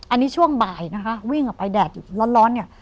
อันนี้ช่วงบ่ายนะคะวิ่งออกไปแดดอยู่ร้อนเนี่ย